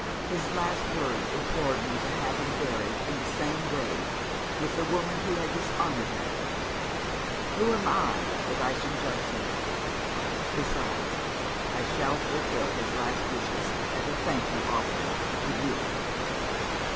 His last words implored me to have him buried in the same grave with the woman who had dishonoured him. Who am I that I should judge him? Besides, I shall fulfil his last wishes as a thank offering for You.